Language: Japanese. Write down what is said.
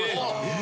え？